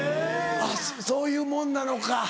あっそういうもんなのか。